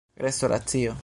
restoracio